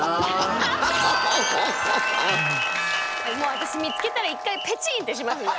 もう私見つけたら一回ペチンってしますね。